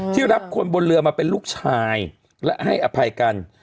รับคนบนเรือมาเป็นลูกชายและให้อภัยกัน